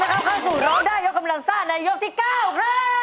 เข้าสู่ร้องได้ยกกำลังซ่าในยกที่๙ครับ